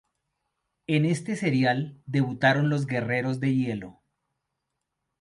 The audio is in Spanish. En este serial debutaron los guerreros de hielo.